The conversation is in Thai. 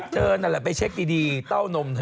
เธอนั่นล่ะไปเช็คดีเต้านมเถอะ